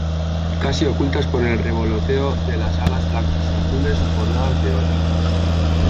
casi ocultas por el revoloteo de las alas blancas y azules bordadas de oro.